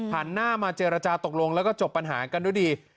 หันหน้ามาเจรจาตกลงแล้วก็จบปัญหากันด้วยดี